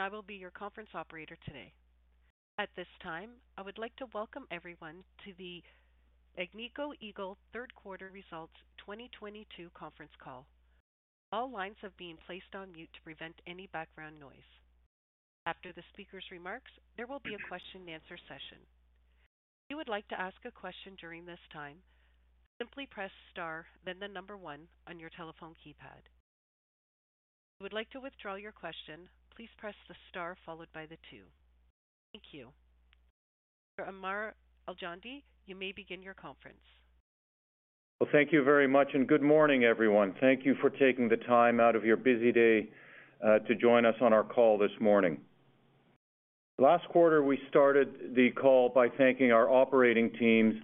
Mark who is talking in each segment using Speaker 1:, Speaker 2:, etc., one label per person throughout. Speaker 1: I will be your conference operator today. At this time, I would like to welcome everyone to the Agnico Eagle Third Quarter Results 2022 Conference Call. All lines have been placed on mute to prevent any background noise. After the speaker's remarks, there will be a question-and-answer session. If you would like to ask a question during this time, simply press star, then the one on your telephone keypad. If you would like to withdraw your question, please press the star followed by the two. Thank you. Ammar Al-Joundi, you may begin your conference.
Speaker 2: Well, thank you very much, and good morning, everyone. Thank you for taking the time out of your busy day to join us on our call this morning. Last quarter, we started the call by thanking our operating teams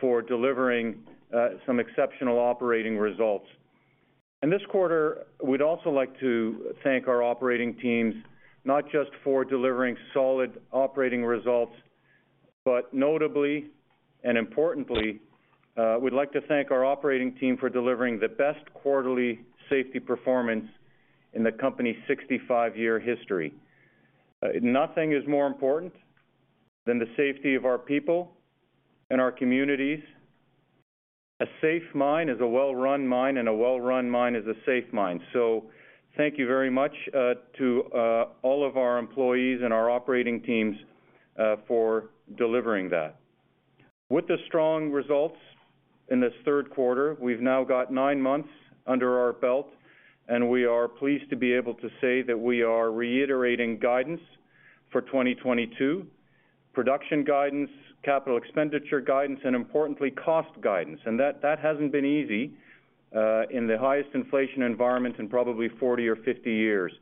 Speaker 2: for delivering some exceptional operating results. In this quarter, we'd also like to thank our operating teams, not just for delivering solid operating results, but notably and importantly, we'd like to thank our operating team for delivering the best quarterly safety performance in the company's 65-year history. Nothing is more important than the safety of our people and our communities. A safe mine is a well-run mine, and a well-run mine is a safe mine. Thank you very much to all of our employees and our operating teams for delivering that. With the strong results in this third quarter, we've now got nine months under our belt, and we are pleased to be able to say that we are reiterating guidance for 2022. Production guidance, capital expenditure guidance, and importantly, cost guidance. That hasn't been easy in the highest inflation environment in probably 40 or 50 years.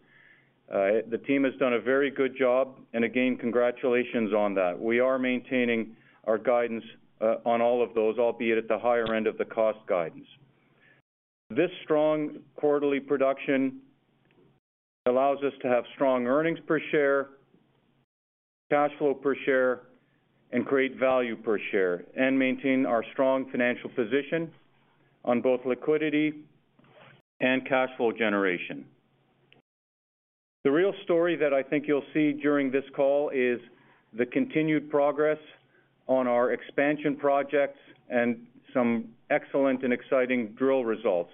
Speaker 2: The team has done a very good job, and again, congratulations on that. We are maintaining our guidance on all of those, albeit at the higher end of the cost guidance. This strong quarterly production allows us to have strong earnings per share, cash flow per share, and create value per share, and maintain our strong financial position on both liquidity and cash flow generation. The real story that I think you'll see during this call is the continued progress on our expansion projects and some excellent and exciting drill results.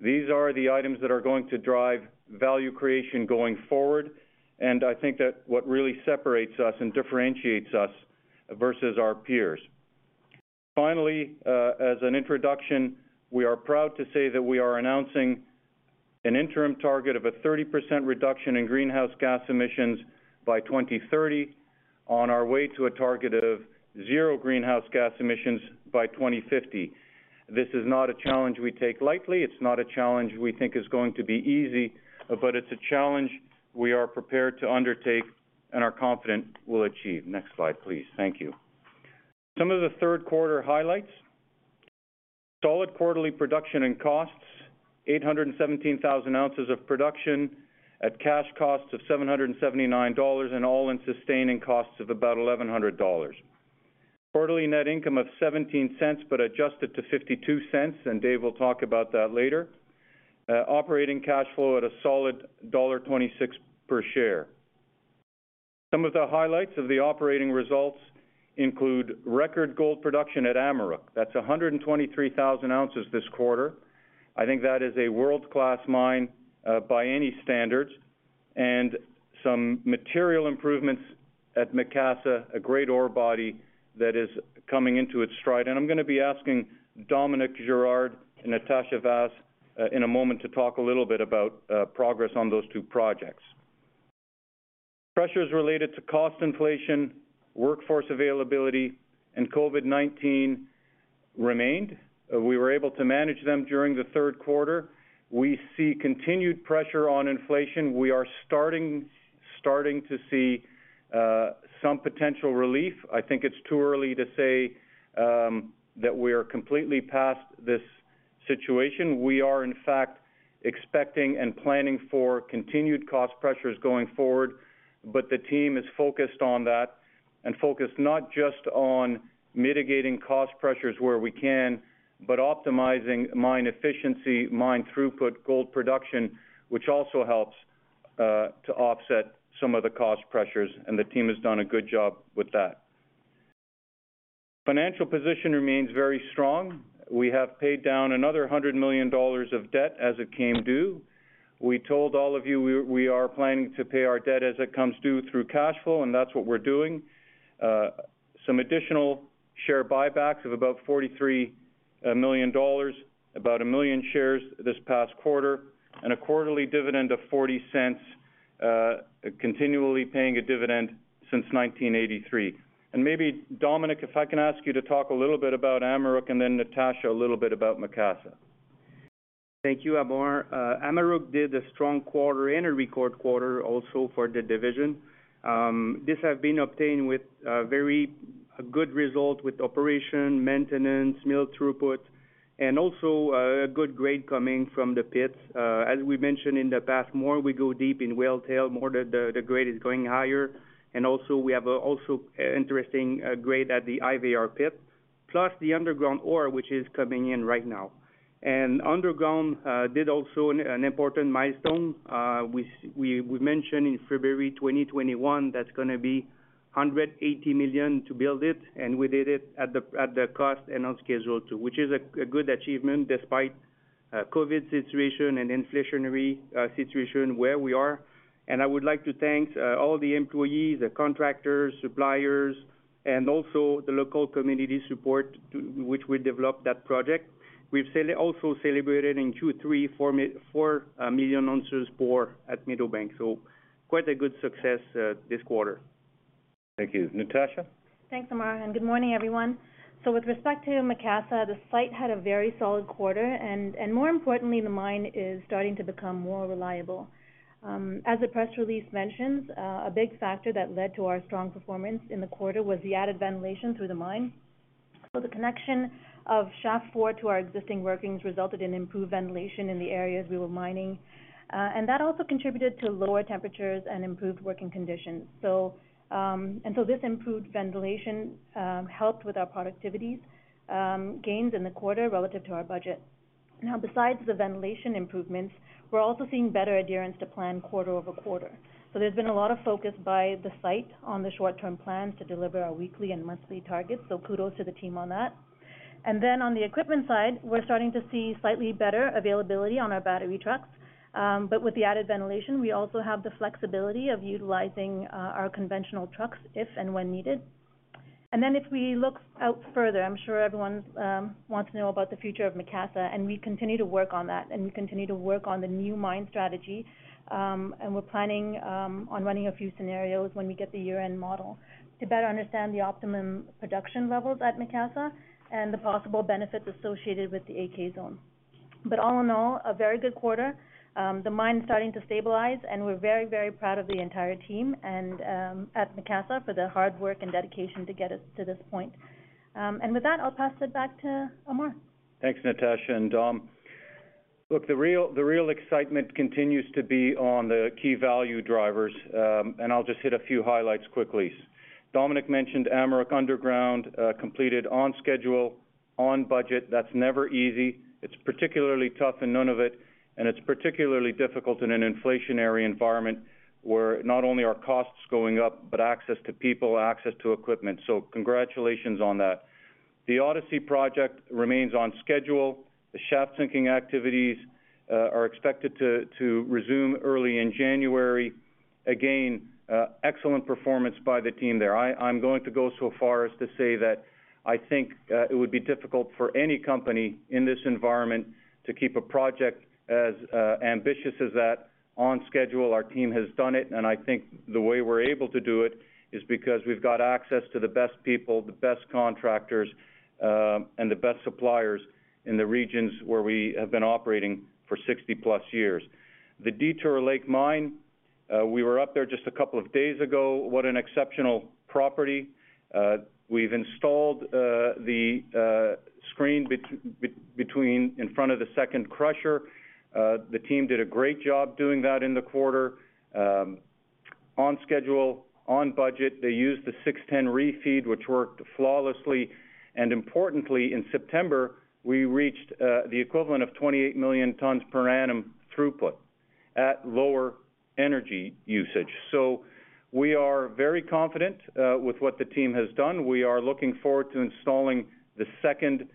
Speaker 2: These are the items that are going to drive value creation going forward, and I think that what really separates us and differentiates us versus our peers. Finally, as an introduction, we are proud to say that we are announcing an interim target of a 30% reduction in Greenhouse Gas Emissions by 2030 on our way to a target of zeero Greenhouse Gas Emissions by 2050. This is not a challenge we take lightly. It's not a challenge we think is going to be easy, but it's a challenge we are prepared to undertake and are confident we'll achieve. Next slide, please. Thank you. Some of the third quarter highlights. Solid quarterly production and costs, $817,000 ounces of production at cash costs of $779 and all-in sustaining costs of about $1,100. Quarterly net income of $0.17 but adjusted to $0.52, and Dave will talk about that later. Operating cash flow at a solid $1.26 per share. Some of the highlights of the operating results include record gold production at Amaruq. That's 123,000 ounces this quarter. I think that is a world-class mine by any standards, and some material improvements at Macassa, a great ore body that is coming into its stride. I'm gonna be asking Dominique Girard and Natasha Vaz in a moment to talk a little bit about progress on those two projects. Pressures related to cost inflation, workforce availability, and COVID-19 remained. We were able to manage them during the third quarter. We see continued pressure on inflation. We are starting to see some potential relief. I think it's too early to say that we are completely past this situation. We are, in fact, expecting and planning for continued cost pressures going forward. The team is focused on that and focused not just on mitigating cost pressures where we can, but optimizing mine efficiency, mine throughput, gold production, which also helps to offset some of the cost pressures, and the team has done a good job with that. Financial position remains very strong. We have paid down another $100 million of debt as it came due. We told all of you we are planning to pay our debt as it comes due through cash flow, and that's what we're doing. Some additional share buybacks of about $43 million, about 1 million shares this past quarter, and a quarterly dividend of $0.40, continually paying a dividend since 1983. Maybe, Dominic, if I can ask you to talk a little bit about Amaruq and then Natasha, a little bit about Macassa.
Speaker 3: Thank you, Ammar. Amaruq did a strong quarter and a record quarter also for the division. This have been obtained with very good result with operation, maintenance, mill throughput, and also a good grade coming from the pits. As we mentioned in the past, more we go deep in Whale Tail, more the grade is going higher. We have also interesting grade at the IVR pit. Plus the underground ore, which is coming in right now. Underground did also an important milestone, which we mentioned in February 2021, that's gonna be $180 million to build it, and we did it at the cost and on schedule too, which is a good achievement despite COVID situation and inflationary situation where we are. I would like to thank all the employees, the contractors, suppliers, and also the local community support to which we developed that project. We've also celebrated in Q3, four million ounces ore at Meadowbank, so quite a good success this quarter.
Speaker 2: Thank you. Natasha?
Speaker 4: Thanks, Ammar, and good morning, everyone. With respect to Macassa, the site had a very solid quarter, and more importantly, the mine is starting to become more reliable. As the press release mentions, a big factor that led to our strong performance in the quarter was the added ventilation through the mine. The connection of Shaft Four to our existing workings resulted in improved ventilation in the areas we were mining. And that also contributed to lower temperatures and improved working conditions. This improved ventilation helped with our productivity gains in the quarter relative to our budget. Now, besides the ventilation improvements, we're also seeing better adherence to plan quarter-over-quarter. There's been a lot of focus by the site on the short-term plans to deliver our weekly and monthly targets, so kudos to the team on that. On the equipment side, we're starting to see slightly better availability on our battery trucks, but with the added ventilation, we also have the flexibility of utilizing our conventional trucks if and when needed. If we look out further, I'm sure everyone wants to know about the future of Macassa, and we continue to work on that, and we continue to work on the new mine strategy. We're planning on running a few scenarios when we get the year-end model to better understand the optimum production levels at Macassa and the possible benefits associated with the AK Zone. All in all, a very good quarter. The mine's starting to stabilize, and we're very, very proud of the entire team and at Macassa for the hard work and dedication to get us to this point. With that, I'll pass it back to Ammar.
Speaker 2: Thanks, Natasha. Dom. Look, the real excitement continues to be on the key value drivers, and I'll just hit a few highlights quickly. Dominic mentioned Amaruq underground, completed on schedule, on budget. That's never easy. It's particularly tough in Nunavut, and it's particularly difficult in an inflationary environment where not only are costs going up, but access to people, access to equipment. Congratulations on that. The Odyssey project remains on schedule. The shaft-sinking activities are expected to resume early in January. Again, excellent performance by the team there. I'm going to go so far as to say that I think it would be difficult for any company in this environment to keep a project as ambitious as that on schedule. Our team has done it, and I think the way we're able to do it is because we've got access to the best people, the best contractors, and the best suppliers in the regions where we have been operating for 60+ years. The Detour Lake mine, we were up there just a couple of days ago. What an exceptional property. We've installed the screen between in front of the second crusher. The team did a great job doing that in the quarter, on schedule, on budget. They used the 6x10 grizzly feed, which worked flawlessly. Importantly, in September, we reached the equivalent of 28 million tons per annum throughput at lower energy usage. We are very confident with what the team has done. We are looking forward to installing the second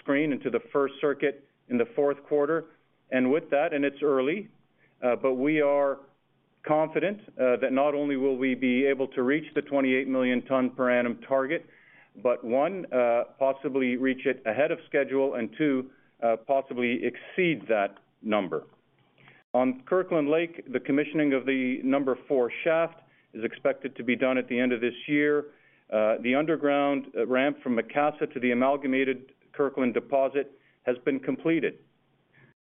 Speaker 2: screen into the first circuit in the fourth quarter. With that, and it's early, but we are confident, that not only will we be able to reach the 28 million ton per annum target, but one, possibly reach it ahead of schedule, and two, possibly exceed that number. On Kirkland Lake, the commissioning of the Number Four Shaft is expected to be done at the end of this year. The underground ramp from Macassa to the Amalgamated Kirkland deposit has been completed.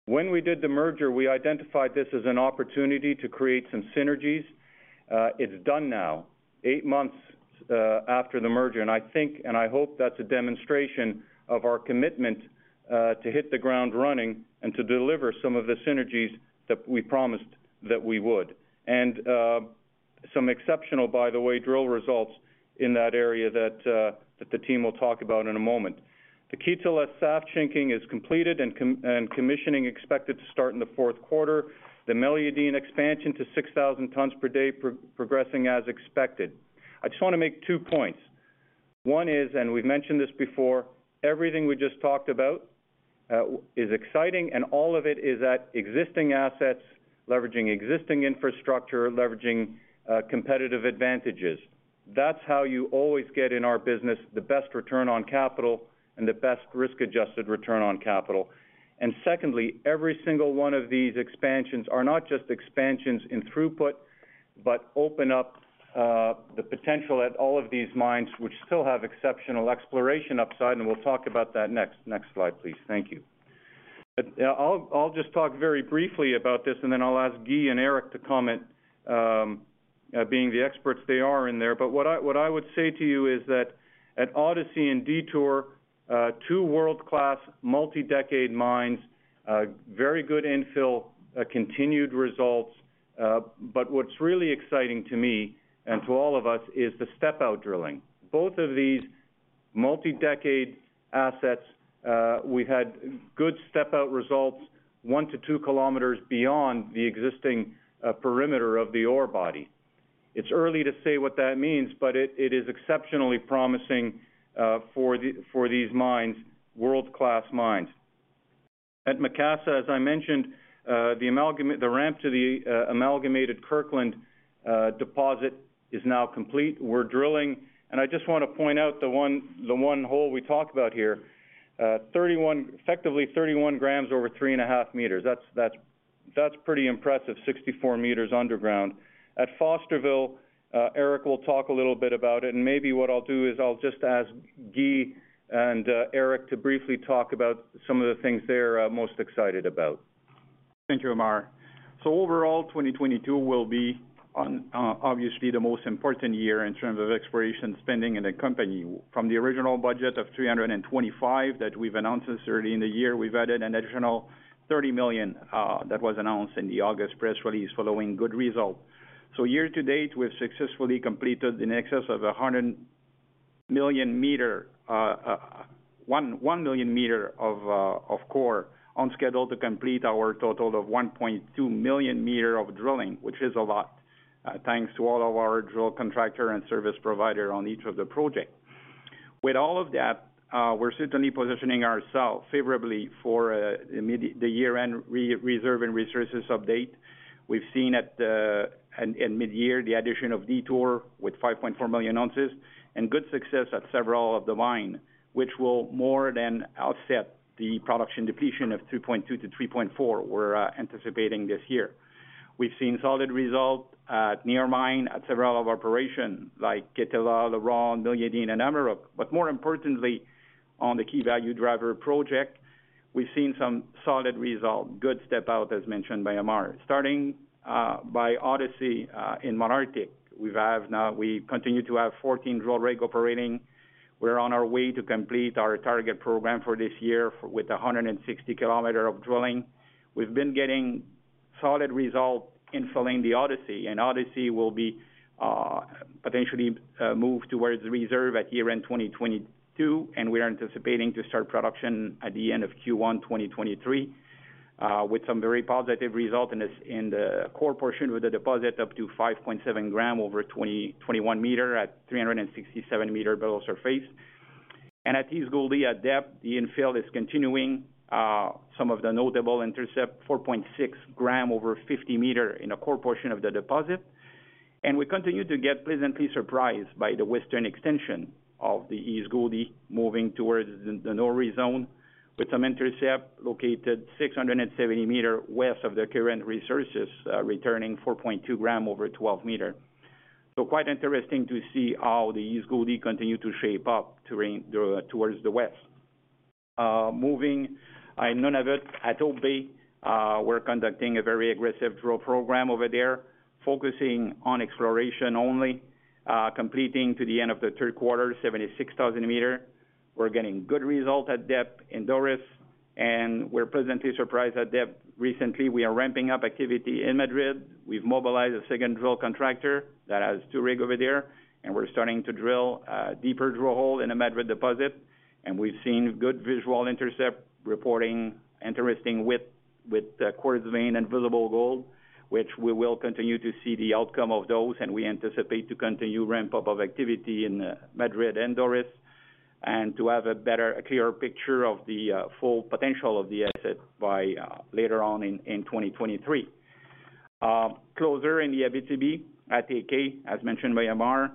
Speaker 2: When we did the merger, we identified this as an opportunity to create some synergies. It's done now, 8 months after the merger, and I think, and I hope that's a demonstration of our commitment to hit the ground running and to deliver some of the synergies that we promised that we would. Some exceptional, by the way, drill results in that area that the team will talk about in a moment. The Kittila shaft sinking is completed and commissioning expected to start in the fourth quarter. The Meliadine expansion to 6,000 tons per day progressing as expected. I just wanna make two points. One is, we've mentioned this before, everything we just talked about is exciting and all of it is at existing assets, leveraging existing infrastructure, leveraging competitive advantages. That's how you always get in our business the best return on capital and the best risk-adjusted return on capital. Secondly, every single one of these expansions are not just expansions in throughput, but open up the potential at all of these mines, which still have exceptional exploration upside, and we'll talk about that next. Next slide, please. Thank you. Yeah, I'll just talk very briefly about this, and then I'll ask Guy and Eric to comment, being the experts they are in there. What I would say to you is that at Odyssey and Detour, two world-class multi-decade mines, very good infill continued results. What's really exciting to me and to all of us is the step-out drilling. Both of these multi-decade assets, we had good step-out results, 1-2 kilometers beyond the existing perimeter of the ore body. It's early to say what that means, but it is exceptionally promising for these mines, world-class mines. At Macassa, as I mentioned, the ramp to the amalgamated Kirkland deposit is now complete. We're drilling. I just want to point out the one hole we talked about here, effectively 31 grams over 3.5 meters. That's pretty impressive, 64 meters underground. At Fosterville, Eric will talk a little bit about it. Maybe what I'll do is I'll just ask Guy and Eric to briefly talk about some of the things they're most excited about.
Speaker 5: Thank you, Ammar. Overall, 2022 will be obviously the most important year in terms of exploration spending in the company. From the original budget of $325 million that we've announced since early in the year, we've added an additional $30 million that was announced in the August press release following good results. Year to date, we've successfully completed in excess of one million meters of core, on schedule to complete our total of 1.2 million meters of drilling, which is a lot, thanks to all of our drill contractors and service providers on each of the projects. With all of that, we're certainly positioning ourselves favorably for the year-end reserves and resources update. We've seen in mid-year, the addition of Detour with 5.4 million ounces, and good success at several of the mines, which will more than offset the production depletion of 2.2-3.4 we're anticipating this year. We've seen solid results at near-mine at several operations, like Kittila, LaRonde, Meliadine and Amaruq. More importantly, on the key value driver project, we've seen some solid result, good step out, as mentioned by Ammar Al-Joundi. Starting by Odyssey in Canadian Malartic, we continue to have 14 drill rigs operating. We're on our way to complete our target program for this year with 160 kilometers of drilling. We've been getting solid results in filling the Odyssey, and Odyssey will be potentially moved towards reserve at year-end 2022, and we are anticipating to start production at the end of Q1 2023 with some very positive result in this, in the core portion with a deposit up to 5.7 gram over 21 meter at 367 meter below surface. At East Gouldie, at depth, the infill is continuing, some of the notable intercept, 4.6 gram over 50 meter in a core portion of the deposit. We continue to get pleasantly surprised by the western extension of the East Gouldie moving towards the Norlartic zone, with some intercept located 670 meter west of the current resources, returning 4.2 gram over 12 meter. Quite interesting to see how the East Gouldie continue to shape up terrain towards the west. Moving in Nunavut at Hope Bay, we're conducting a very aggressive drill program over there, focusing on exploration only, completing to the end of the third quarter, 76,000 meters. We're getting good results at depth in Doris, and we're pleasantly surprised at depth. Recently, we are ramping up activity in Meliadine. We've mobilized a second drill contractor that has two rig over there, and we're starting to drill a deeper drill hole in a Madrid deposit, and we've seen good visual intercept reporting interesting width with quartz vein and visible gold, which we will continue to see the outcome of those, and we anticipate to continue ramp up of activity in Madrid and Doris, and to have a better, a clearer picture of the full potential of the asset by later on in 2023. Closer in the Abitibi at AK, as mentioned by Ammar,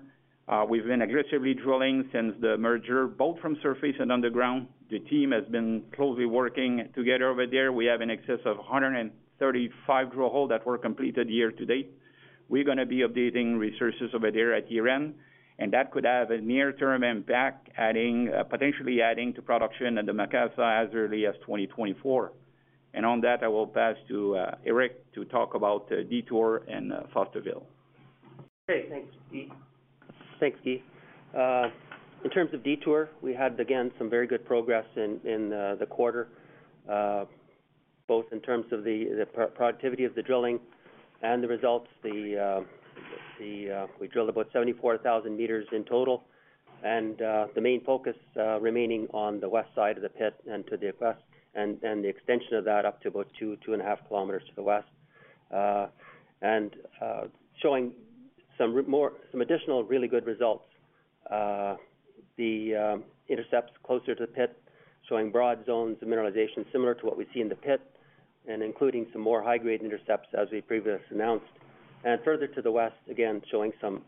Speaker 5: we've been aggressively drilling since the merger, both from surface and underground. The team has been closely working together over there. We have in excess of 135 drill holes that were completed year to date. We're gonna be updating resources over there at year-end, and that could have a near-term impact, adding potentially to production at the Macassa as early as 2024. On that, I will pass to Eric to talk about Detour and Fosterville.
Speaker 6: Great. Thanks, Guy. In terms of Detour, we had, again, some very good progress in the quarter, both in terms of the productivity of the drilling and the results. We drilled about 74,000 meters in total, and the main focus remaining on the west side of the pit and to the west, and the extension of that up to about 2-2.5 kilometers to the west, showing some additional really good results. The intercepts closer to the pit showing broad zones of mineralization similar to what we see in the pit, and including some more high-grade intercepts as we previously announced. Further to the west, again, showing some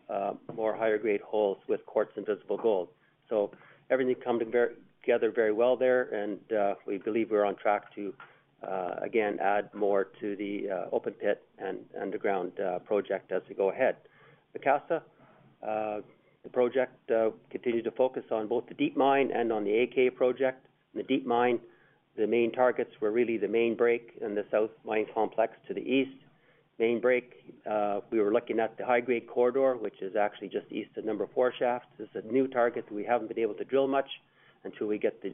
Speaker 6: more higher grade holes with quartz and visible gold. Everything coming together very well there, and we believe we're on track to again add more to the open pit and underground project as we go ahead. Macassa, the project, continued to focus on both the Deep Mine and on the AK project. The Deep Mine, the main targets were really the main break in the South Mine Complex to the east. Main break, we were looking at the high-grade corridor, which is actually just east of Number Four Shaft. This is a new target that we haven't been able to drill much until we get the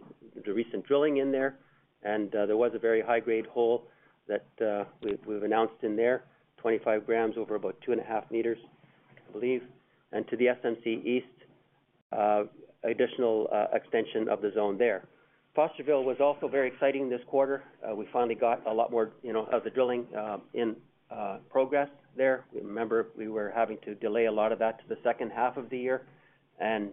Speaker 6: recent drilling in there. There was a very high-grade hole that we've announced in there, 25 grams over about 2.5 meters, I believe. To the SMC East, additional extension of the zone there. Fosterville was also very exciting this quarter. We finally got a lot more, you know, of the drilling in progress there. Remember, we were having to delay a lot of that to the second half of the year, and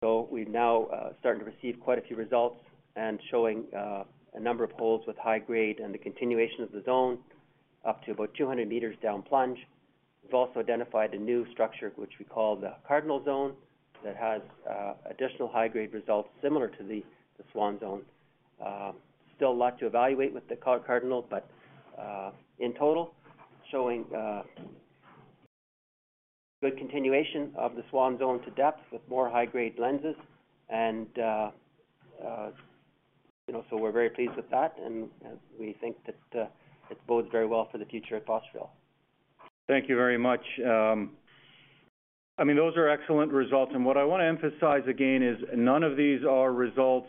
Speaker 6: so we're now starting to receive quite a few results and showing a number of holes with high grade and the continuation of the zone up to about 200 meters down plunge. We've also identified a new structure, which we call the Cardinal Zone, that has additional high-grade results similar to the Swan Zone. Still a lot to evaluate with the Cardinal, but in total, showing good continuation of the Swan Zone to depth with more high-grade lenses. You know, so we're very pleased with that, and we think that it bodes very well for the future at Fosterville.
Speaker 2: Thank you very much. I mean, those are excellent results. What I wanna emphasize again is none of these are results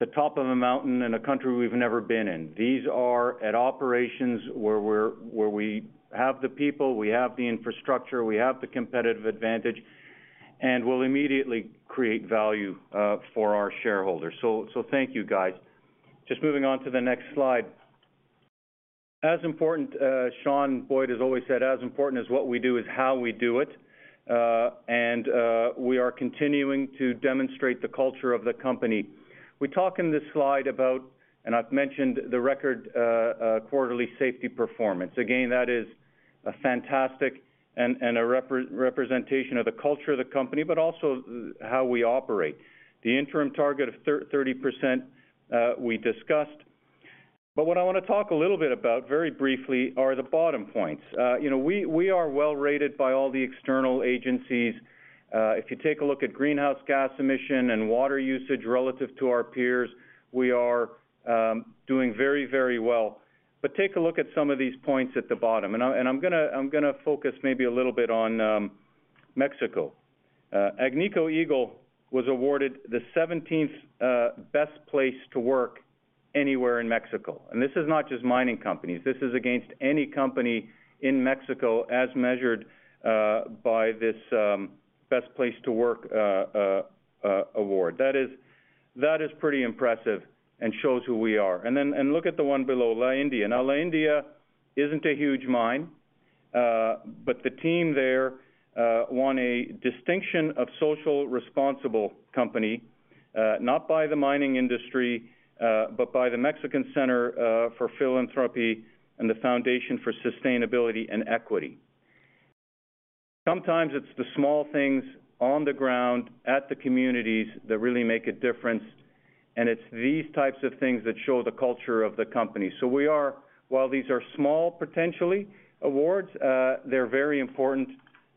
Speaker 2: at the top of a mountain in a country we've never been in. These are at operations where we have the people, we have the infrastructure, we have the competitive advantage, and we'll immediately create value for our shareholders. Thank you, guys. Just moving on to the next slide. As important, Sean Boyd has always said, as important as what we do is how we do it. We are continuing to demonstrate the culture of the company. We talk in this slide about, and I've mentioned the record quarterly safety performance. Again, that is a fantastic and a representation of the culture of the company, but also how we operate. The interim target of 30% we discussed. What I wanna talk a little bit about, very briefly, are the bottom points. You know, we are well rated by all the external agencies. If you take a look at greenhouse gas emission and water usage relative to our peers, we are doing very, very well. Take a look at some of these points at the bottom, and I'm gonna focus maybe a little bit on Mexico. Agnico Eagle was awarded the 17th best place to work anywhere in Mexico. This is not just mining companies. This is against any company in Mexico as measured by this best place to work award. That is pretty impressive and shows who we are. Look at the one below La India. Now, La India isn't a huge mine, but the team there won a distinction as a socially responsible company, not by the mining industry, but by the Mexican Center for Philanthropy and the Foundation for Sustainability and Equity. Sometimes it's the small things on the ground at the communities that really make a difference, and it's these types of things that show the culture of the company. While these are small, potentially, awards, they're very important,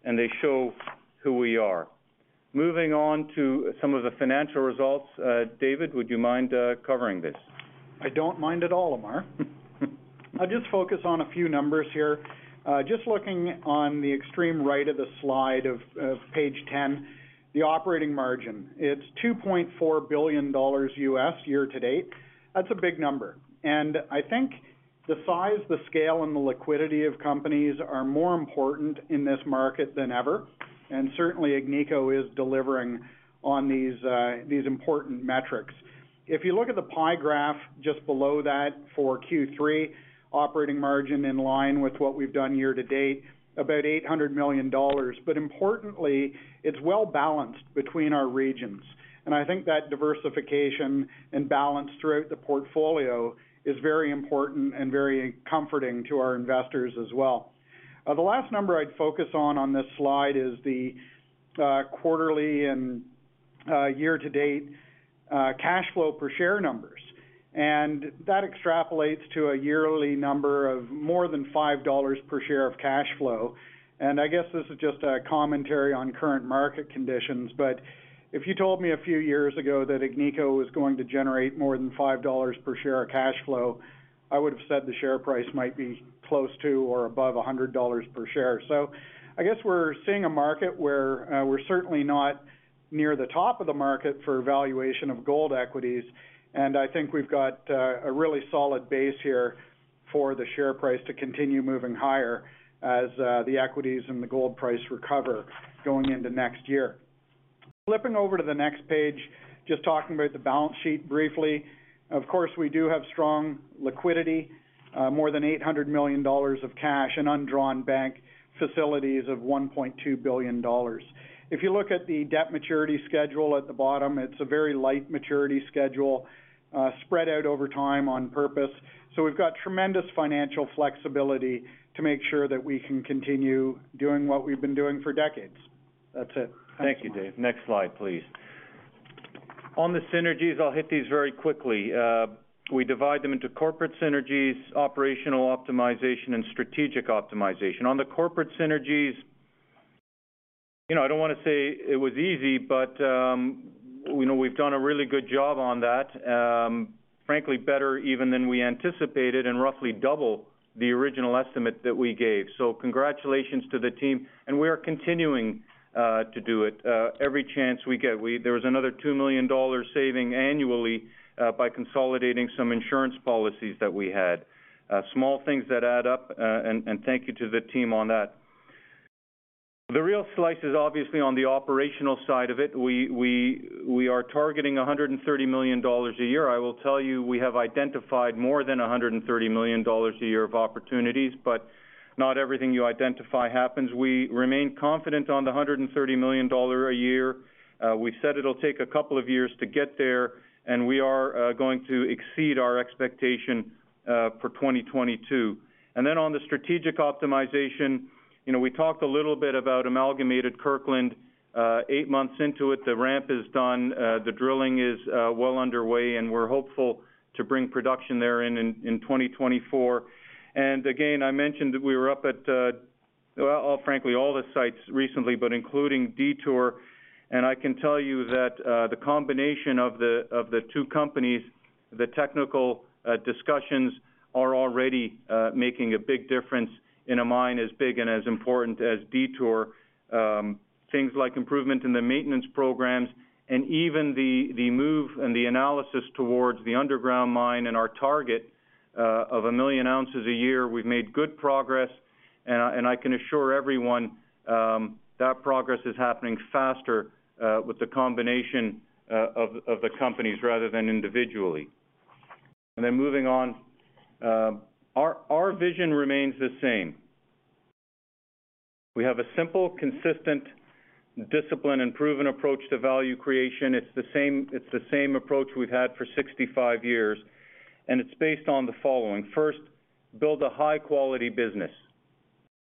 Speaker 2: and they show who we are. Moving on to some of the financial results, David, would you mind covering this?
Speaker 7: I don't mind at all, Ammar. I'll just focus on a few numbers here. Just looking on the extreme right of the slide of page 10, the operating margin, it's $2.4 billion year to date. That's a big number. I think the size, the scale, and the liquidity of companies are more important in this market than ever. Certainly, Agnico is delivering on these important metrics. If you look at the pie graph just below that for Q3, operating margin in line with what we've done year to date, about $800 million. Importantly, it's well-balanced between our regions. I think that diversification and balance throughout the portfolio is very important and very comforting to our investors as well. The last number I'd focus on on this slide is the quarterly and year-to-date cash flow per share numbers, and that extrapolates to a yearly number of more than $5 per share of cash flow. I guess this is just a commentary on current market conditions, but if you told me a few years ago that Agnico was going to generate more than $5 per share of cash flow, I would've said the share price might be close to or above $100 per share. I guess we're seeing a market where we're certainly not near the top of the market for valuation of gold equities, and I think we've got a really solid base here for the share price to continue moving higher as the equities and the gold price recover going into next year. Flipping over to the next page, just talking about the balance sheet briefly. Of course, we do have strong liquidity, more than $800 million of cash and undrawn bank facilities of $1.2 billion. If you look at the debt maturity schedule at the bottom, it's a very light maturity schedule, spread out over time on purpose. We've got tremendous financial flexibility to make sure that we can continue doing what we've been doing for decades. That's it.
Speaker 2: Thank you, Dave. Next slide, please. On the synergies, I'll hit these very quickly. We divide them into corporate synergies, operational optimization, and strategic optimization. On the corporate synergies. You know, I don't wanna say it was easy, but, you know, we've done a really good job on that. Frankly, better even than we anticipated and roughly double the original estimate that we gave. Congratulations to the team, and we are continuing to do it every chance we get. There was another $2 million saving annually by consolidating some insurance policies that we had. Small things that add up, and thank you to the team on that. The real slice is obviously on the operational side of it. We are targeting $130 million a year. I will tell you, we have identified more than $130 million a year of opportunities, but not everything you identify happens. We remain confident on the $130 million a year. We said it'll take a couple of years to get there, and we are going to exceed our expectation for 2022. On the strategic optimization, you know, we talked a little bit about Amalgamated Kirkland, 8 months into it, the ramp is done, the drilling is well underway, and we're hopeful to bring production there in 2024. Again, I mentioned that we were up at, well, frankly all the sites recently, but including Detour. I can tell you that the combination of the two companies, the technical discussions are already making a big difference in a mine as big and as important as Detour. Things like improvement in the maintenance programs and even the move and the analysis towards the underground mine and our target of 1 million ounces a year. We've made good progress, and I can assure everyone that progress is happening faster with the combination of the companies rather than individually. Moving on. Our vision remains the same. We have a simple, consistent, disciplined, and proven approach to value creation. It's the same approach we've had for 65 years, and it's based on the following. First, build a high quality business.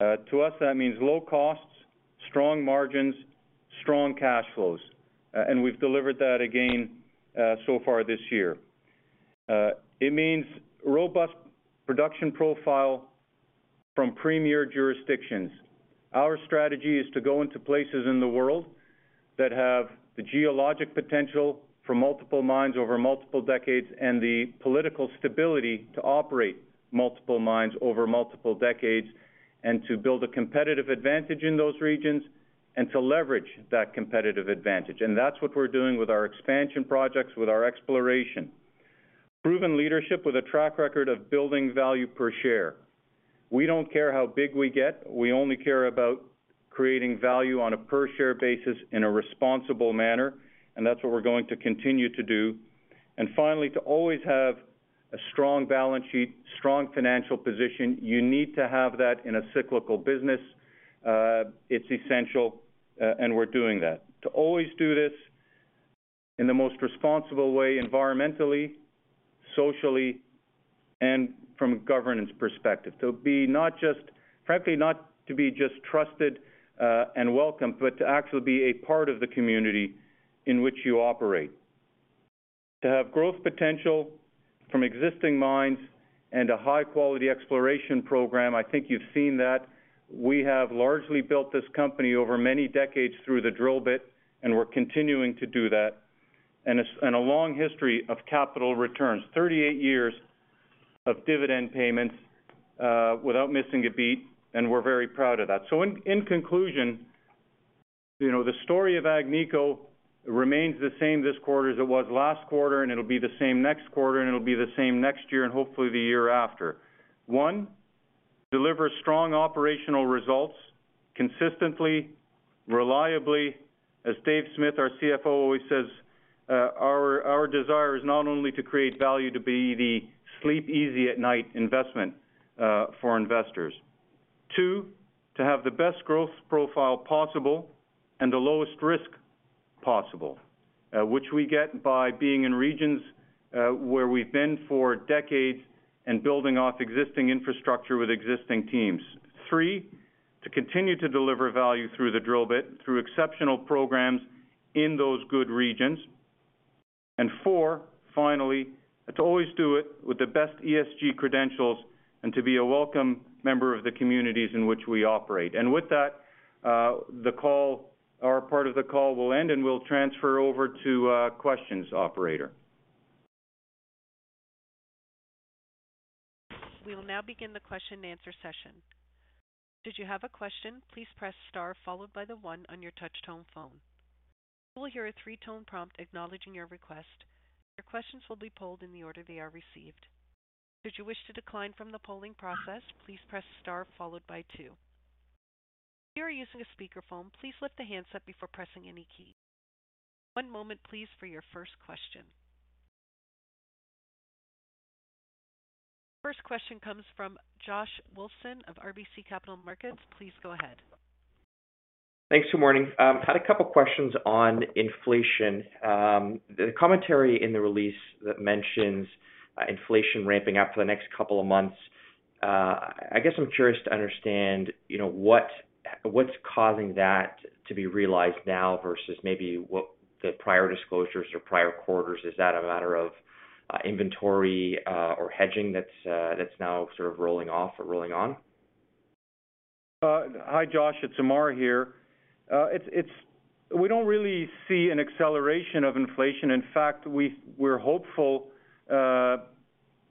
Speaker 2: To us, that means low costs, strong margins, strong cash flows, and we've delivered that again, so far this year. It means robust production profile from premier jurisdictions. Our strategy is to go into places in the world that have the geologic potential for multiple mines over multiple decades, and the political stability to operate multiple mines over multiple decades, and to build a competitive advantage in those regions and to leverage that competitive advantage. That's what we're doing with our expansion projects, with our exploration. Proven leadership with a track record of building value per share. We don't care how big we get. We only care about creating value on a per share basis in a responsible manner, and that's what we're going to continue to do. Finally, to always have a strong balance sheet, strong financial position, you need to have that in a cyclical business. It's essential, and we're doing that. To always do this in the most responsible way, environmentally, socially, and from a governance perspective. Frankly, not to be just trusted and welcome, but to actually be a part of the community in which you operate. To have growth potential from existing mines and a high quality exploration program, I think you've seen that. We have largely built this company over many decades through the drill bit, and we're continuing to do that. It's a long history of capital returns, 38 years of dividend payments, without missing a beat, and we're very proud of that. In conclusion, you know, the story of Agnico remains the same this quarter as it was last quarter, and it'll be the same next quarter, and it'll be the same next year and hopefully the year after. One, deliver strong operational results consistently, reliably. As David Smith, our CFO, always says, our desire is not only to create value to be the sleep easy at night investment, for investors. Two, to have the best growth profile possible and the lowest risk possible, which we get by being in regions, where we've been for decades and building off existing infrastructure with existing teams. Three, to continue to deliver value through the drill bit, through exceptional programs in those good regions. Four, finally, to always do it with the best ESG credentials and to be a welcome member of the communities in which we operate. With that, the call or part of the call will end, and we'll transfer over to questions, operator.
Speaker 1: We will now begin the question and answer session. Did you have a question? Please press star followed by the one on your touch tone phone. You will hear a three-tone prompt acknowledging your request. Your questions will be polled in the order they are received. Should you wish to decline from the polling process, please press star followed by two. If you are using a speakerphone, please lift the handset before pressing any key. One moment please for your first question. First question comes from Joshua Wolfson of RBC Capital Markets. Please go ahead.
Speaker 8: Thanks. Good morning. Had a couple questions on inflation. The commentary in the release that mentions inflation ramping up for the next couple of months. I guess I'm curious to understand, you know, what's causing that to be realized now versus maybe what the prior disclosures or prior quarters. Is that a matter of inventory or hedging that's now sort of rolling off or rolling on.
Speaker 2: Hi, Josh. It's Ammar here. We don't really see an acceleration of inflation. In fact,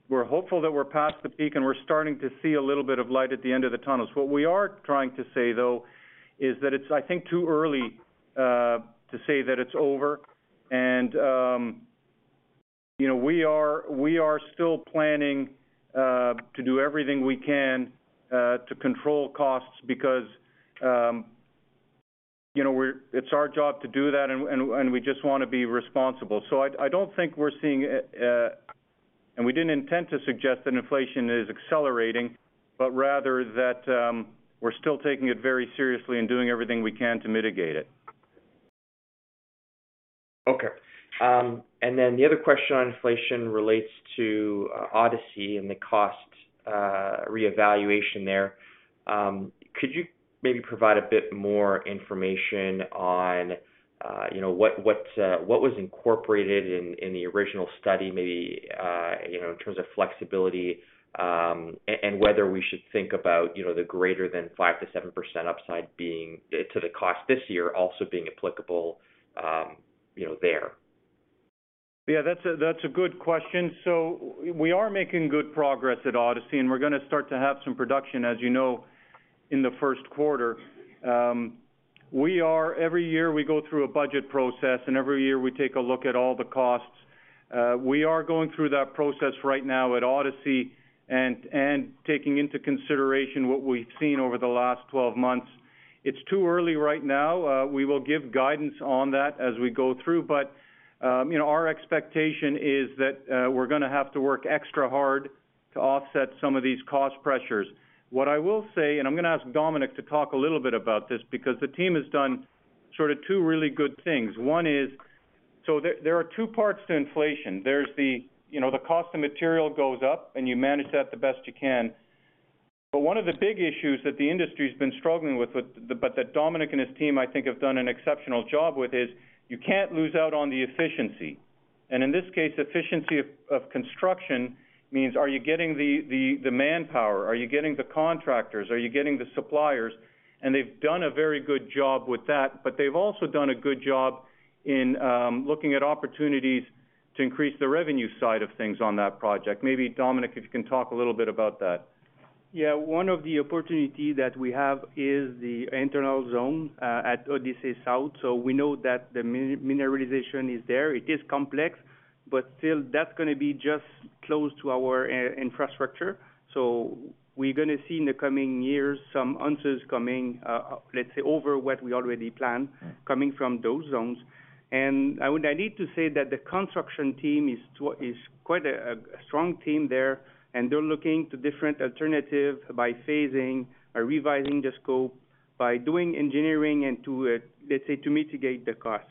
Speaker 2: we're hopeful that we're past the peak, and we're starting to see a little bit of light at the end of the tunnel. What we are trying to say, though, is that it's, I think, too early to say that it's over. You know, we are still planning to do everything we can to control costs because, you know, it's our job to do that and we just wanna be responsible. I don't think we're seeing it, and we didn't intend to suggest that inflation is accelerating, but rather that we're still taking it very seriously and doing everything we can to mitigate it.
Speaker 8: The other question on inflation relates to Odyssey and the cost reevaluation there. Could you maybe provide a bit more information on you know what was incorporated in the original study maybe you know in terms of flexibility and whether we should think about you know the greater than 5%-7% upside being to the cost this year also being applicable you know there?
Speaker 2: Yeah, that's a good question. We are making good progress at Odyssey, and we're gonna start to have some production, as you know, in the first quarter. Every year, we go through a budget process, and every year, we take a look at all the costs. We are going through that process right now at Odyssey and taking into consideration what we've seen over the last 12 months. It's too early right now. We will give guidance on that as we go through. You know, our expectation is that we're gonna have to work extra hard to offset some of these cost pressures. What I will say, and I'm gonna ask Dominique to talk a little bit about this because the team has done sort of two really good things. One is, there are two parts to inflation. There's the, you know, the cost of material goes up, and you manage that the best you can. One of the big issues that the industry's been struggling with, but that Dominique and his team, I think, have done an exceptional job with is, you can't lose out on the efficiency. In this case, efficiency of construction means are you getting the manpower? Are you getting the contractors? Are you getting the suppliers? They've done a very good job with that. They've also done a good job in looking at opportunities to increase the revenue side of things on that project. Maybe Dominique, if you can talk a little bit about that.
Speaker 3: Yeah. One of the opportunity that we have is the internal zone at Odyssey South. We know that the mineralization is there. It is complex, but still, that's gonna be just close to our infrastructure. We're gonna see in the coming years some answers coming, let's say, over what we already planned, coming from those zones. I need to say that the construction team is quite a strong team there, and they're looking to different alternative by phasing or revising the scope, by doing engineering and to, let's say, to mitigate the cost.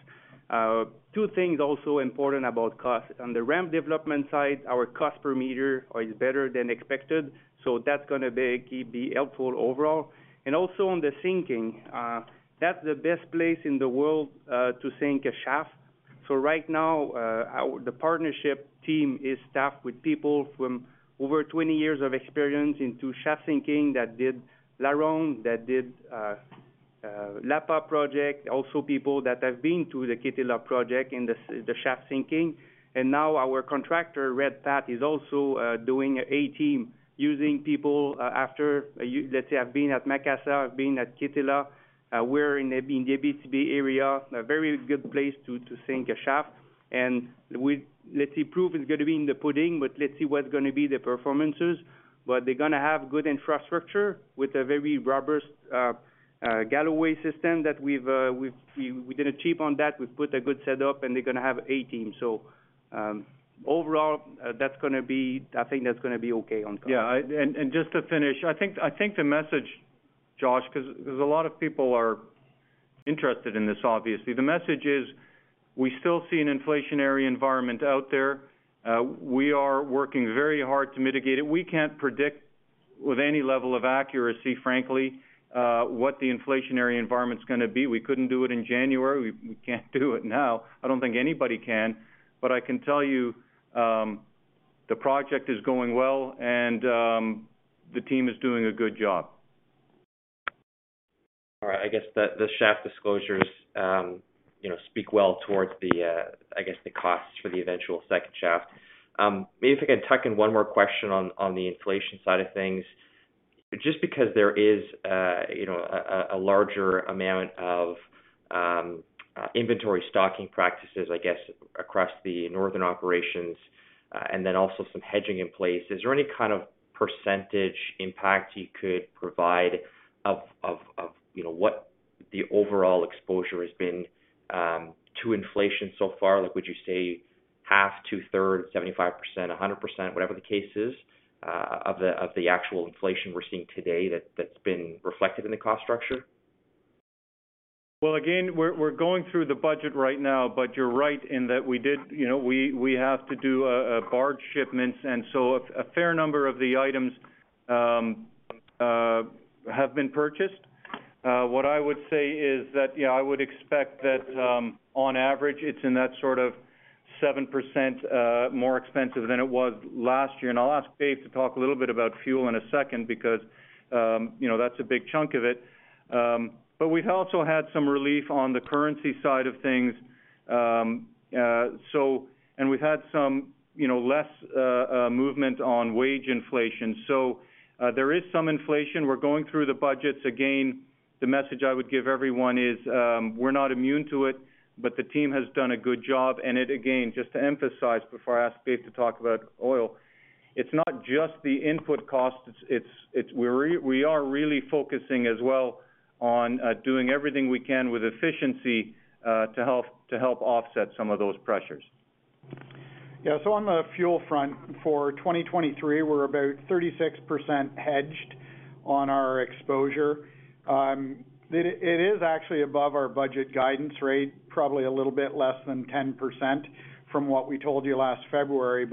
Speaker 3: Two things also important about cost. On the ramp development side, our cost per meter is better than expected, so that's gonna be helpful overall. Also on the sinking, that's the best place in the world to sink a shaft. Right now, the partnership team is staffed with people from over 20 years of experience in shaft sinking that did LaRonde, that did Lapa project, also people that have been to the Kittila project in the shaft sinking. Now our contractor, RedPath, is also doing A-team, using people after let's say have been at Macassa, have been at Kittila, were in the BTD area, a very good place to sink a shaft. We, let's say, proof is gonna be in the pudding, but let's see what's gonna be the performances. They're gonna have good infrastructure with a very robust Galloway system that we've did achieve on that. We've put a good set up, and they're gonna have A team. Overall, that's gonna be, I think, okay on cost.
Speaker 2: Yeah. Just to finish, I think the message, Josh, 'cause a lot of people are interested in this, obviously. The message is, we still see an inflationary environment out there. We are working very hard to mitigate it. We can't predict with any level of accuracy, frankly, what the inflationary environment's gonna be. We couldn't do it in January. We can't do it now. I don't think anybody can. I can tell you, the project is going well and, the team is doing a good job.
Speaker 8: All right. I guess the shaft disclosures, you know, speak well towards the costs for the eventual second shaft. Maybe if I can tuck in one more question on the inflation side of things. Just because there is, you know, a larger amount of inventory stocking practices, I guess, across the northern operations, and then also some hedging in place, is there any kind of percentage impact you could provide of, you know, what the overall exposure has been to inflation so far? Like, would you say half, two-thirds, 75%, 100%, whatever the case is, of the actual inflation we're seeing today that's been reflected in the cost structure?
Speaker 2: Well, again, we're going through the budget right now, but you're right in that we did, you know, we have to do barge shipments. A fair number of the items have been purchased. What I would say is that, yeah, I would expect that, on average, it's in that sort of 7% more expensive than it was last year. I'll ask Dave to talk a little bit about fuel in a second because, you know, that's a big chunk of it. We've also had some relief on the currency side of things, so we've had some, you know, less movement on wage inflation. There is some inflation. We're going through the budgets. Again, the message I would give everyone is, we're not immune to it, but the team has done a good job. It, again, just to emphasize before I ask Dave to talk about oil, it's not just the input costs, it's we are really focusing as well on doing everything we can with efficiency to help offset some of those pressures.
Speaker 7: Yeah. On the fuel front, for 2023, we're about 36% hedged on our exposure. It is actually above our budget guidance rate, probably a little bit less than 10% from what we told you last February.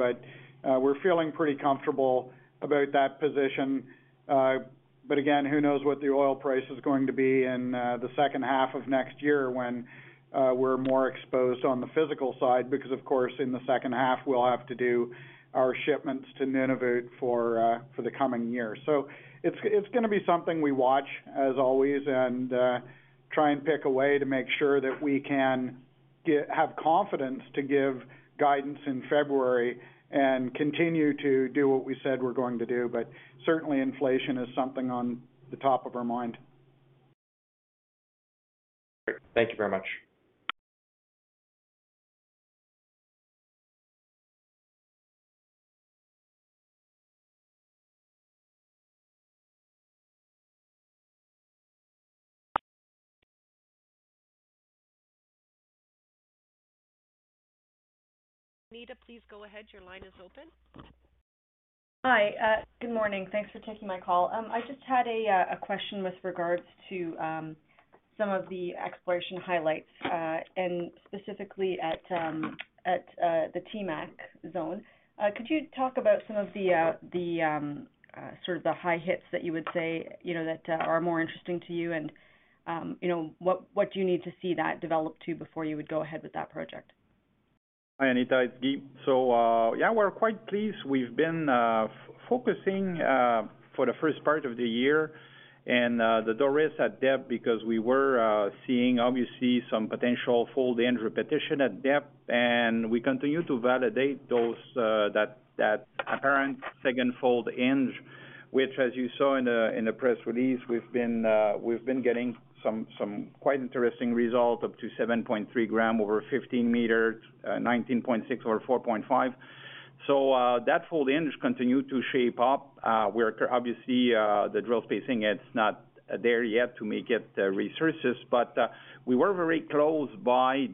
Speaker 7: We're feeling pretty comfortable about that position. Again, who knows what the oil price is going to be in the second half of next year when we're more exposed on the physical side, because of course, in the second half we'll have to do our shipments to Nunavut for the coming year. It's gonna be something we watch as always and try and pick a way to make sure that we can have confidence to give guidance in February and continue to do what we said we're going to do. Certainly inflation is something on the top of our mind.
Speaker 8: Great. Thank you very much.
Speaker 1: Anita, please go ahead. Your line is open.
Speaker 9: Hi. Good morning. Thanks for taking my call. I just had a question with regards to some of the exploration highlights and specifically at the Hope Bay. Could you talk about some of the sort of the high hits that you would say, you know, that are more interesting to you and you know, what do you need to see that develop to before you would go ahead with that project?
Speaker 5: Hi, Anita, it's Guy. Yeah, we're quite pleased. We've been focusing for the first part of the year and the Doris at depth because we were seeing obviously some potential fold hinge repetition at depth, and we continue to validate those that apparent second fold end, which as you saw in the press release, we've been getting some quite interesting results, up to 7.3 gram over 15 meters, 19.6 over 4.5. That fold end has continued to shape up. We're obviously the drill spacing, it's not there yet to make it resources, but we were very close by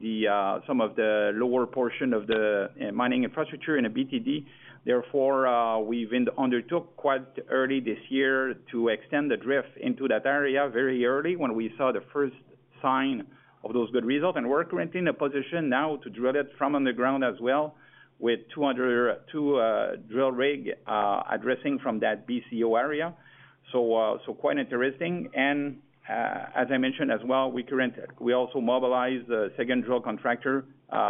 Speaker 5: some of the lower portion of the mining infrastructure in a BTD. Therefore, we undertook quite early this year to extend the drift into that area very early when we saw the first sign of those good results. We're currently in a position now to drill it from underground as well with two drill rig addressing from that BCO area. Quite interesting. As I mentioned as well, we currently also mobilize the second drill contractor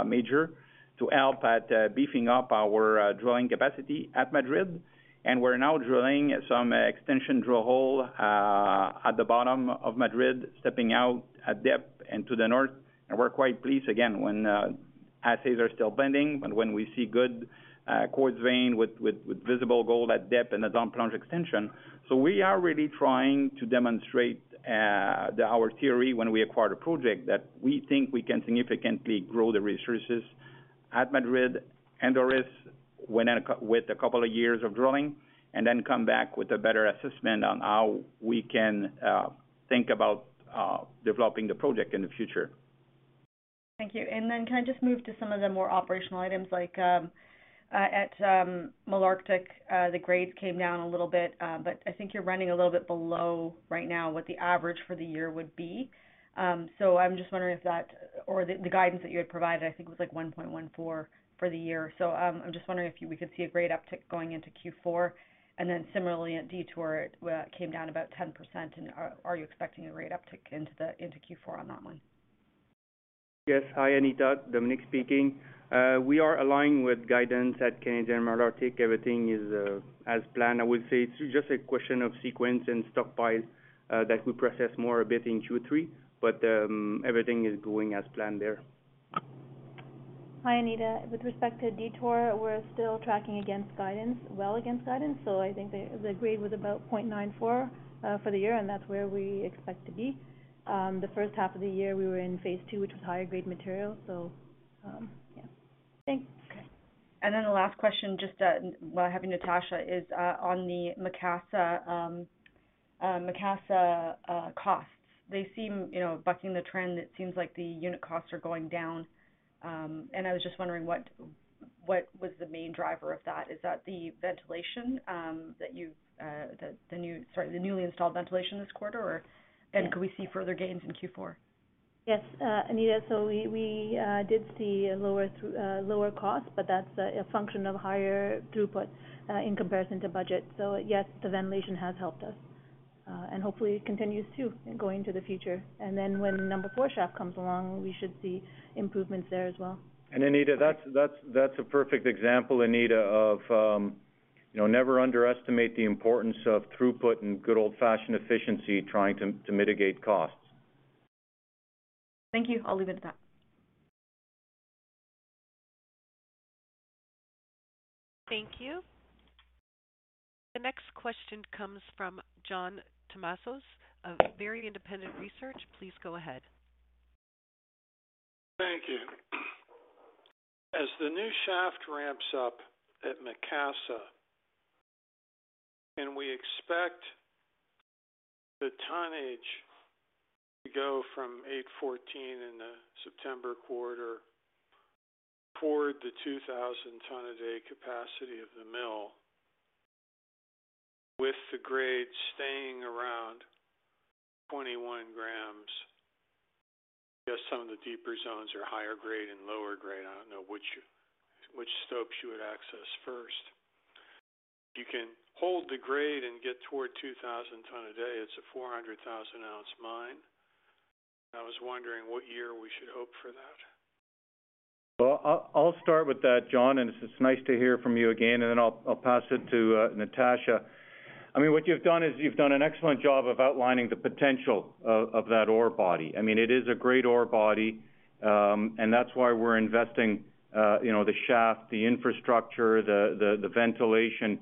Speaker 5: major to help at beefing up our drilling capacity at Madrid. We're now drilling some extension drill hole at the bottom of Madrid, stepping out at depth and to the north. We're quite pleased again when assays are still pending and when we see good quartz vein with visible gold at depth and a down plunge extension. We are really trying to demonstrate our theory when we acquired a project that we think we can significantly grow the resources at Madrid and Doris within a couple of years of drilling, and then come back with a better assessment on how we can think about developing the project in the future.
Speaker 9: Thank you. Can I just move to some of the more operational items like at Malartic, the grades came down a little bit, but I think you're running a little bit below right now what the average for the year would be. I'm just wondering if that or the guidance that you had provided, I think was like 1.14 for the year. I'm just wondering if you could see a grade uptick going into Q4. Similarly at Detour, it came down about 10%. Are you expecting a grade uptick into Q4 on that one?
Speaker 3: Yes. Hi, Anita. Dominic speaking. We are aligned with guidance at Canadian Malartic. Everything is as planned. I would say it's just a question of sequence and stockpiles that we process more a bit in Q3, but everything is going as planned there.
Speaker 4: Hi, Anita. With respect to Detour, we're still tracking well against guidance. I think the grade was about 0.94 for the year, and that's where we expect to be. The first half of the year we were in phase two, which was higher grade material. Yeah.
Speaker 9: Thanks. Then the last question, just while I have you, Natasha, is on the Macassa costs. They seem, you know, bucking the trend. It seems like the unit costs are going down. I was just wondering what was the main driver of that. Is that the ventilation that you've newly installed this quarter? Or can we see further gains in Q4?
Speaker 4: Yes, Anita. We did see a lower cost, but that's a function of higher throughput in comparison to budget. Yes, the ventilation has helped us, and hopefully it continues to going into the future. Then when Number Four Shaft comes along, we should see improvements there as well.
Speaker 2: Anita, that's a perfect example, Anita, of you know, never underestimate the importance of throughput and good old-fashioned efficiency trying to mitigate costs.
Speaker 9: Thank you. I'll leave it at that.
Speaker 1: Thank you. The next question comes from John Tumazos of Very Independent Research. Please go ahead.
Speaker 10: Thank you. As the new shaft ramps up at Macassa, can we expect the tonnage to go from 814 in the September quarter toward the 2,000 ton a day capacity of the mill, with the grade staying around 21 grams? I guess some of the deeper zones are higher grade and lower grade. I don't know which stopes you would access first. You can hold the grade and get toward 2,000 ton a day. It's a 400,000 ounce mine. I was wondering what year we should hope for that?
Speaker 2: Well, I'll start with that, John, and it's nice to hear from you again. Then I'll pass it to Natasha. I mean, what you've done is you've done an excellent job of outlining the potential of that ore body. I mean, it is a great ore body, and that's why we're investing, you know, the shaft, the infrastructure, the ventilation.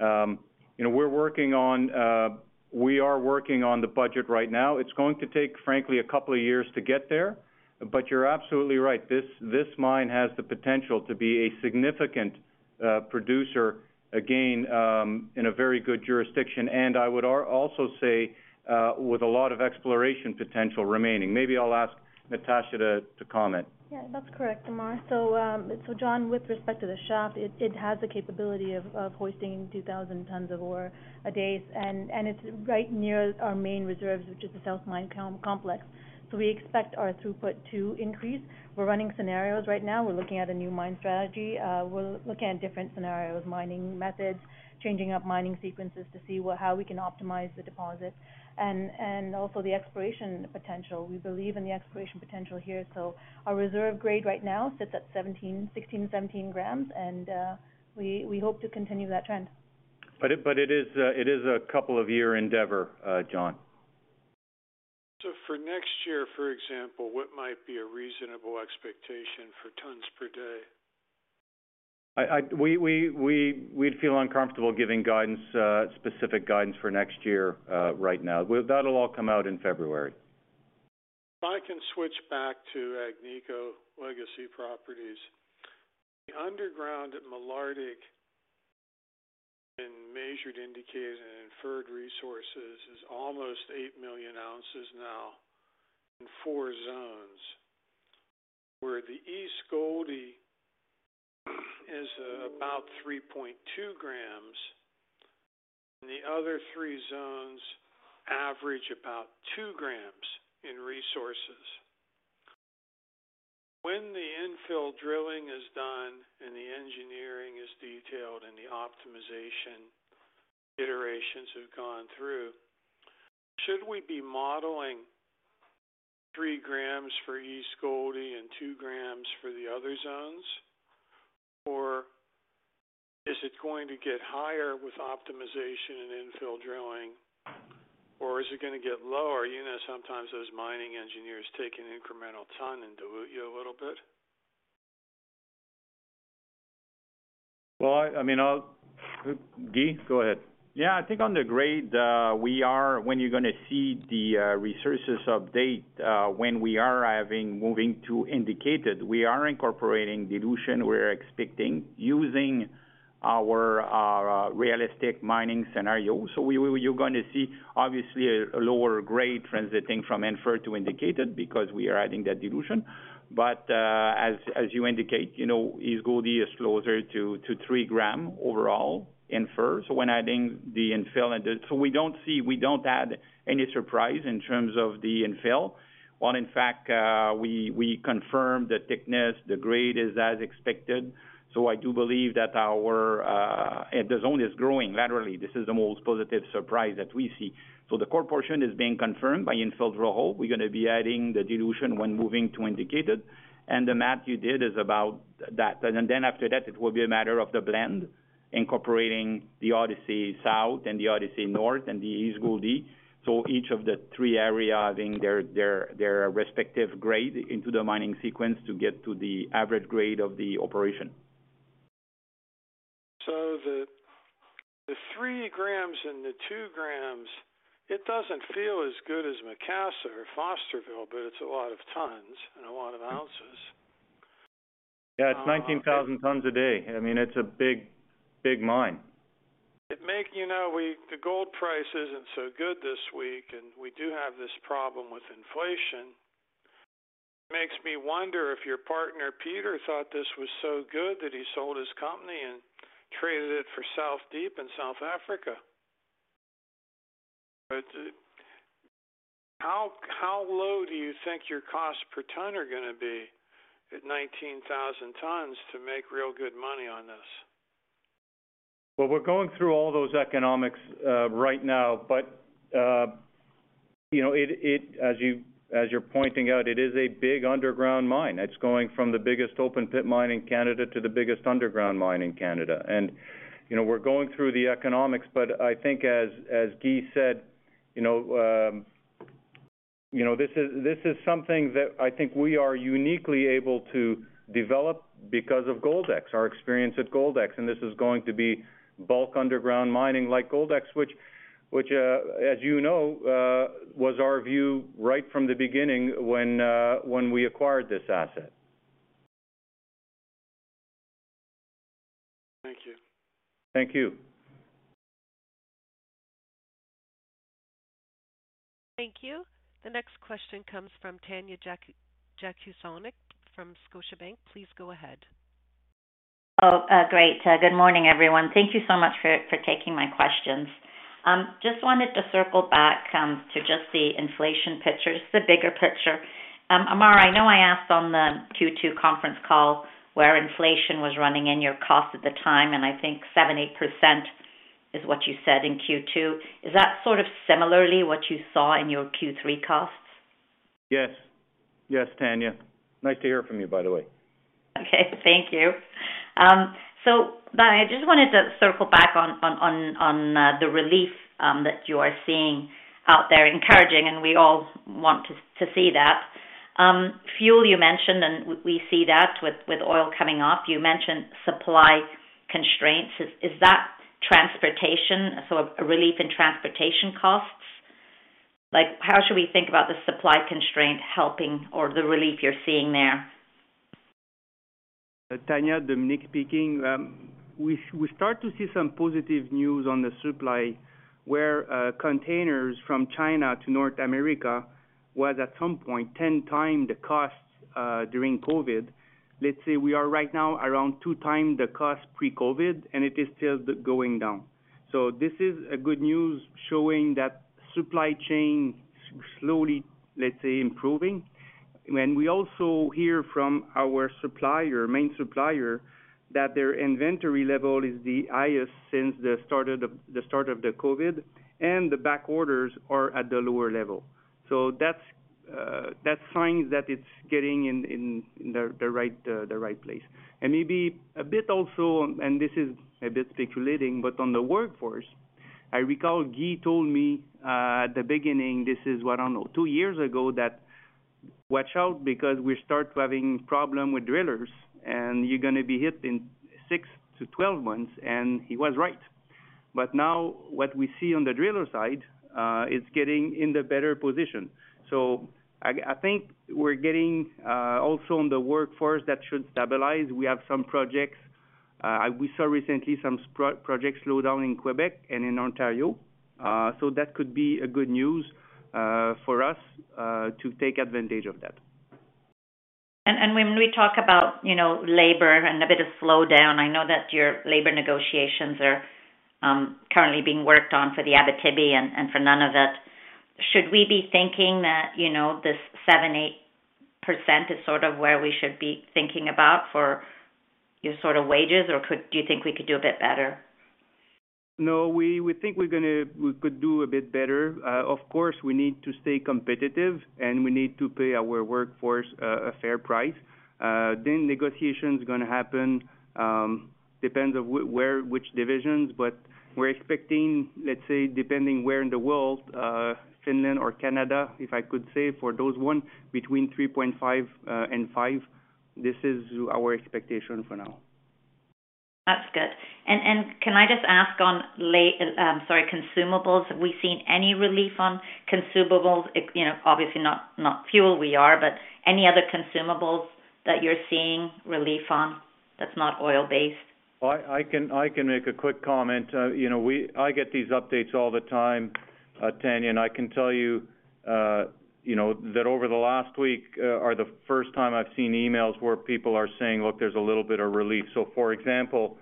Speaker 2: You know, we are working on the budget right now. It's going to take, frankly, a couple of years to get there. You're absolutely right. This mine has the potential to be a significant producer, again, in a very good jurisdiction, and I would also say, with a lot of exploration potential remaining. Maybe I'll ask Natasha to comment.
Speaker 4: Yeah, that's correct, Ammar. So John, with respect to the shaft, it has the capability of hoisting 2,000 tons of ore a day. It's right near our main reserves, which is the South Mine complex. We expect our throughput to increase. We're running scenarios right now. We're looking at a new mine strategy. We're looking at different scenarios, mining methods, changing up mining sequences to see how we can optimize the deposit and also the exploration potential. We believe in the exploration potential here. Our reserve grade right now sits at 17, 16, 17 grams, and we hope to continue that trend.
Speaker 2: It is a couple of year endeavor, John.
Speaker 10: For next year, for example, what might be a reasonable expectation for tons per day?
Speaker 2: We'd feel uncomfortable giving guidance, specific guidance for next year, right now. That'll all come out in February.
Speaker 10: If I can switch back to Agnico legacy properties. The underground at Canadian Malartic in measured indicated and inferred resources is almost 8 million ounces now in four zones, where the East Gouldie is about 3.2 grams, and the other three zones average about 2 grams in resources. When the infill drilling is done and the engineering is detailed and the optimization iterations have gone through, should we be modeling 3 grams for East Gouldie and 2 grams for the other zones? Or is it going to get higher with optimization and infill drilling, or is it gonna get lower? You know, sometimes those mining engineers take an incremental ton and dilute you a little bit.
Speaker 2: Well, I mean, Guy, go ahead.
Speaker 5: Yeah. I think on the grade. When you're gonna see the resources update, when we are moving to indicated, we are incorporating dilution. We're expecting using our realistic mining scenario. You're gonna see obviously a lower grade transiting from inferred to indicated because we are adding that dilution. As you indicate, you know, East Gouldie is closer to 3 gram overall inferred. When adding the infill, we don't see any surprise in terms of the infill. While in fact, we confirm the thickness. The grade is as expected. I do believe that our zone is growing lateally. This is the most positive surprise that we see. The core portion is being confirmed by infill drill hole. We're gonna be adding the dilution when moving to indicated. The math you did is about that. Then after that, it will be a matter of the blend, incorporating the Odyssey South and the Odyssey North and the East Gouldie. Each of the three area having their respective grade into the mining sequence to get to the average grade of the operation.
Speaker 10: The 3 grams and the 2 grams, it doesn't feel as good as Macassa or Fosterville, but it's a lot of tons and a lot of ounces.
Speaker 2: Yeah, it's 19,000 tons a day. I mean, it's a big, big mine.
Speaker 10: You know, the gold price isn't so good this week, and we do have this problem with inflation. It makes me wonder if your partner Peter thought this was so good that he sold his company and traded it for South Deep in South Africa. How low do you think your cost per ton are gonna be at 19,000 tons to make real good money on this?
Speaker 2: Well, we're going through all those economics right now, but you know, as you're pointing out, it is a big underground mine. It's going from the biggest open pit mine in Canada to the biggest underground mine in Canada. You know, we're going through the economics, but I think as Guy said, you know, this is something that I think we are uniquely able to develop because of Goldex, our experience at Goldex. This is going to be bulk underground mining like Goldex, which as you know was our view right from the beginning when we acquired this asset.
Speaker 10: Thank you.
Speaker 2: Thank you.
Speaker 1: Thank you. The next question comes from Tanya Jakusconek from Scotiabank. Please go ahead.
Speaker 11: Great. Good morning, everyone. Thank you so much for taking my questions. Just wanted to circle back to just the inflation picture, just the bigger picture. Ammar, I know I asked on the Q2 conference call where inflation was running in your costs at the time, and I think 70% is what you said in Q2. Is that sort of similarly what you saw in your Q3 costs?
Speaker 2: Yes. Yes, Tanya. Nice to hear from you, by the way.
Speaker 11: Okay, thank you. I just wanted to circle back on the relief that you are seeing out there, encouraging, and we all want to see that. Fuel you mentioned, and we see that with oil coming off. You mentioned supply constraints. Is that transportation, so a relief in transportation costs? Like, how should we think about the supply constraint helping or the relief you're seeing there?
Speaker 3: Tanya, Dominic speaking. We start to see some positive news on the supply where containers from China to North America was at some point 10 times the cost during COVID. Let's say we are right now around two times the cost pre-COVID, and it is still going down. This is good news showing that supply chain slowly, let's say, improving. When we also hear from our supplier, main supplier, that their inventory level is the highest since the start of the COVID, and the back orders are at the lower level. That's signs that it's getting in the right place. Maybe a bit also, and this is a bit speculating, but on the workforce, I recall Guy told me at the beginning, this is, what, I don't know, two years ago, that watch out because we start having problem with drillers, and you're gonna be hit in 6-12 months, and he was right. But now what we see on the driller side is getting in the better position. I think we're getting also on the workforce that should stabilize. We have some projects. We saw recently some project slowdown in Quebec and in Ontario. So that could be good news for us to take advantage of that.
Speaker 11: When we talk about, you know, labor and a bit of slowdown, I know that your labor negotiations are currently being worked on for the Abitibi and for Nunavut. Should we be thinking that, you know, this 7-8% is sort of where we should be thinking about for your sort of wages, or do you think we could do a bit better?
Speaker 3: No, we think we could do a bit better. Of course, we need to stay competitive, and we need to pay our workforce a fair price. Negotiations gonna happen, depends on where, which divisions. We're expecting, let's say, depending where in the world, Finland or Canada, if I could say for those one, between 3.5% and 5%. This is our expectation for now.
Speaker 11: That's good. Can I just ask on consumables, have we seen any relief on consumables? You know, obviously not fuel, but any other consumables that you're seeing relief on that's not oil-based?
Speaker 2: Well, I can make a quick comment. You know, I get these updates all the time, Tanya, and I can tell you know, that over the last week, is the first time I've seen emails where people are saying, "Look, there's a little bit of relief." For example,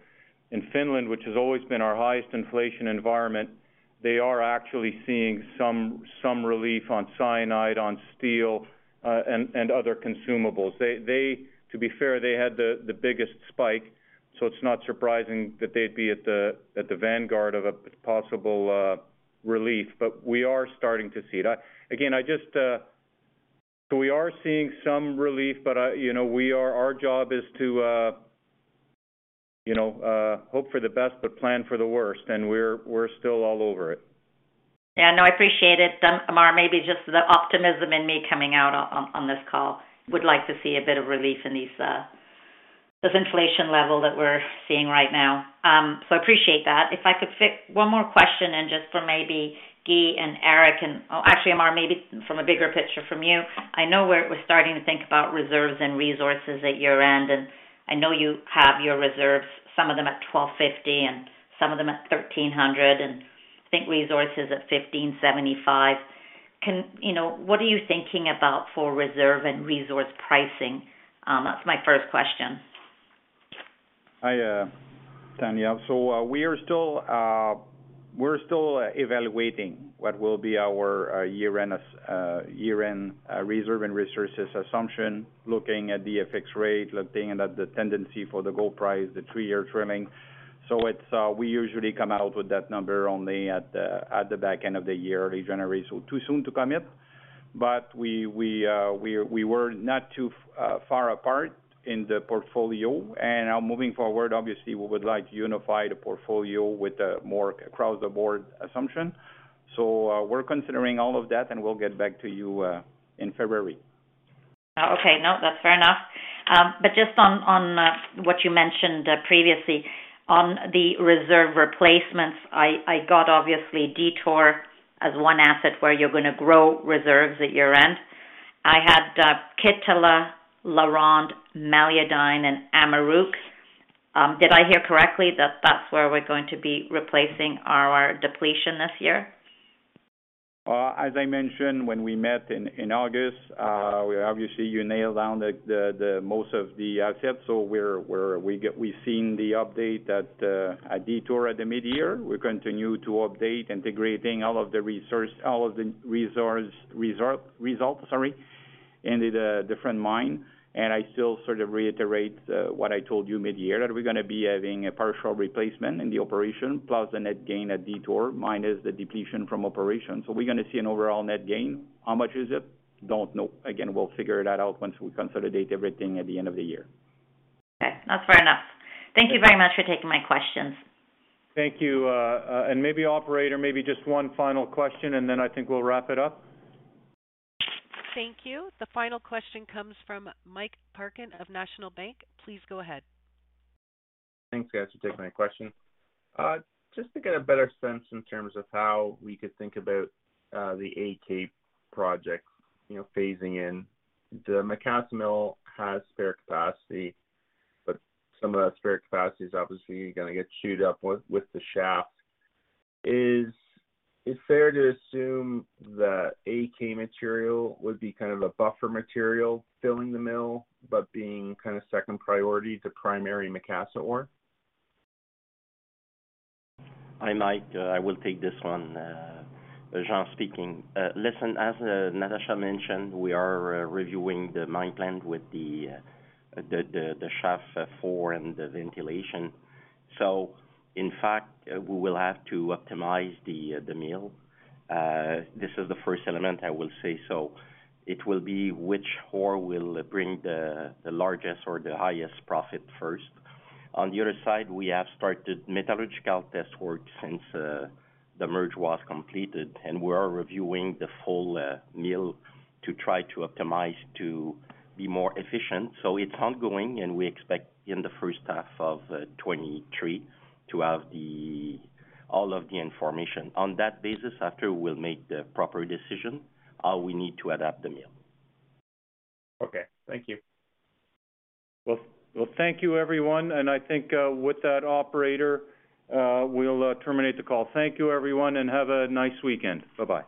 Speaker 2: in Finland, which has always been our highest inflation environment, they are actually seeing some relief on cyanide, on steel, and other consumables. To be fair, they had the biggest spike, so it's not surprising that they'd be at the vanguard of a possible relief, but we are starting to see it. Again, I just We are seeing some relief, but you know, our job is to you know, hope for the best, but plan for the worst, and we're still all over it.
Speaker 11: Yeah, no, I appreciate it. Ammar, maybe just the optimism in me coming out on this call. Would like to see a bit of relief in this inflation level that we're seeing right now. Appreciate that. If I could fit one more question in just for maybe Guy and Eric and, oh, actually, Ammar, maybe from a bigger picture from you. I know we're starting to think about reserves and resources at year-end, and I know you have your reserves, some of them at $1,250 and some of them at $1,300, and I think resources at $1,575. You know, what are you thinking about for reserve and resource pricing? That's my first question.
Speaker 5: Hi, Tanya. We're still evaluating what will be our year-end reserves and resources assumption, looking at the FX rate, looking at the tendency for the gold price, the three-year trailing average. We usually come out with that number only at the back end of the year, early January, so too soon to comment. We were not too far apart in the portfolio. Now moving forward, obviously we would like to unify the portfolio with a more across the board assumption. We're considering all of that, and we'll get back to you in February.
Speaker 11: Oh, okay. No, that's fair enough. Just on what you mentioned previously, on the reserve replacements, I got obviously Detour as one asset where you're gonna grow reserves at year-end. I had Kitikmeot, LaRonde, Meliadine, and Amaruq. Did I hear correctly that that's where we're going to be replacing our depletion this year?
Speaker 5: As I mentioned when we met in August, we obviously nailed down the most of the assets. We've seen the update at Detour at mid-year. We continue to update, integrating all of the resource results, sorry, in the different mines. I still sort of reiterate what I told you mid-year, that we're gonna be having a partial replacement in the operations, plus the net gain at Detour, minus the depletion from operations. We're gonna see an overall net gain. How much is it? Don't know. Again, we'll figure that out once we consolidate everything at the end of the year.
Speaker 11: Okay. That's fair enough. Thank you very much for taking my questions.
Speaker 2: Thank you. Maybe, operator, maybe just one final question, and then I think we'll wrap it up.
Speaker 1: Thank you. The final question comes from. Please go ahead.
Speaker 12: Thanks, guys, for taking my question. Just to get a better sense in terms of how we could think about the AK project, you know, phasing in. The Macassa Mill has spare capacity, but some of that spare capacity is obviously gonna get chewed up with the shaft. Is it fair to assume that AK material would be kind of a buffer material filling the mill, but being kind of second priority to primary Macassa ore?
Speaker 13: Hi, Mike. I will take this one. Jean speaking. Listen, as Natasha mentioned, we are reviewing the mine plan with the Shaft Four and the ventilation. In fact, we will have to optimize the mill. This is the first element I will say, so it will be which ore will bring the largest or the highest profit first. On the other side, we have started metallurgical test work since the merge was completed, and we are reviewing the full mill to try to optimize to be more efficient. It's ongoing, and we expect in the first half of 2023 to have all of the information. On that basis, after we'll make the proper decision, we need to adapt the mill.
Speaker 12: Okay. Thank you.
Speaker 2: Well, thank you everyone. I think with that, operator, we'll terminate the call. Thank you everyone, and have a nice weekend. Bye-bye.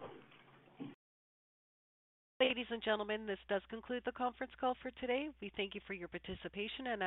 Speaker 1: Ladies and gentlemen, this does conclude the conference call for today. We thank you for your participation.